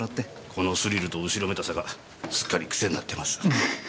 このスリルと後ろめたさがすっかり癖になってます。